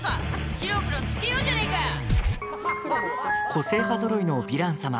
個性派ぞろいのヴィラン様